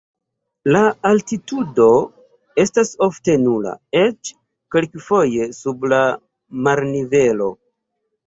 La altitudo estas ofte nula, eĉ kelkfoje sub la marnivelo.